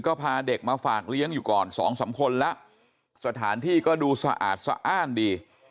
ก็พาเด็กมาฝากเลี้ยงอยู่ก่อนสองสามคนแล้วสถานที่ก็ดูสะอาดสะอ้านดี